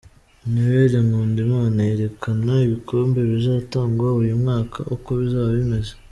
Noel Nkundimana yerekana ibikombe bizatangwa uyu mwaka uko bizaba bimeze.